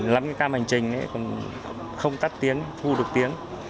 lắm cái cam hành trình không tắt tiếng thu được tiếng